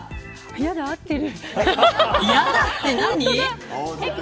やだ、合ってる。